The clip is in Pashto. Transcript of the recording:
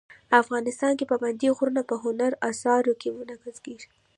افغانستان کې پابندي غرونه په هنري اثارو کې منعکس کېږي.